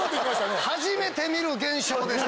初めて見る現象でした。